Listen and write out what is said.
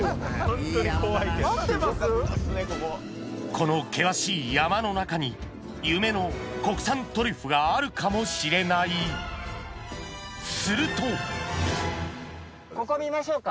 この険しい山の中に夢の国産トリュフがあるかもしれないここですか？